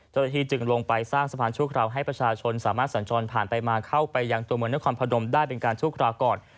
เจ้าหน้าที่จึงลงไปสร้างสะพานชั่วคราวให้ประชาชนสามารถสัญจรผ่านไปมาเข้าไปยังตัวเมืองนครพนมได้เป็นการชั่วคราวก่อน